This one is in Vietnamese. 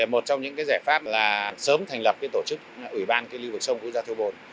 một trong những giải pháp là sớm thành lập tổ chức ủy ban liêu vực sông vu gia thu bồn